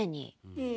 うん。